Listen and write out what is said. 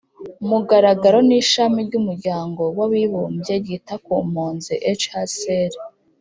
mugaragaro n'ishami ry'umuryango w'abibumbye ryita ku mpunzi (hcr)